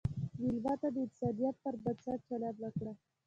مېلمه ته د انسانیت پر بنسټ چلند وکړه.